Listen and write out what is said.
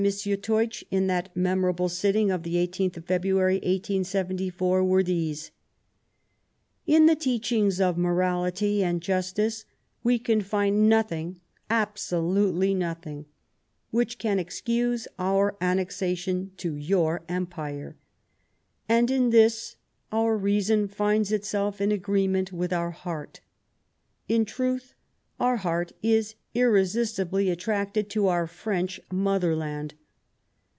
Teutsch, in that memorable sitting of the i8th of February, 1874, were these :" In tlie teachings of morality and justice we can find nothing, absolutely nothing, which can excuse our annexation to your Empire ; and in this our reason finds itself in agreement with our heart. In truth, our heart is irresistibly attracted to our French Motherland.